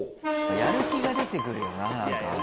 やる気が出て来るよな。